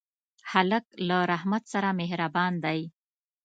هلک له رحمت سره مهربان دی.